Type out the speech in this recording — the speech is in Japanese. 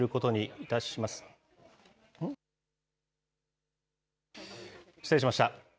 失礼しました。